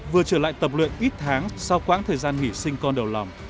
vừa trở lại tập luyện ít tháng sau quãng thời gian nghỉ sinh con đầu lòng